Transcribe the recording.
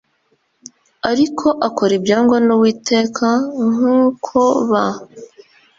ariko akora ibyangwa n uwiteka nk uko ba